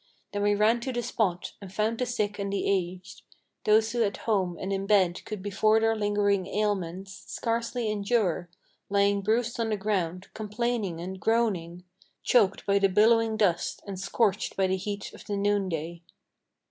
Then we ran to the spot, and found the sick and the aged, Those who at home and in bed could before their lingering ailments Scarcely endure, lying bruised on the ground, complaining and groaning, Choked by the billowing dust, and scorched by the heat of the noonday."